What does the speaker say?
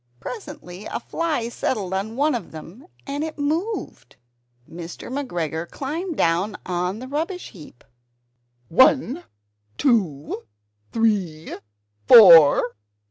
Presently a fly settled on one of them and it moved. Mr. McGregor climbed down on to the rubbish heap "One, two, three, four!